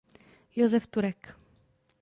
Josef Turek.